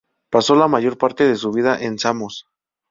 Pasó la mayor parte de su vida en Samos.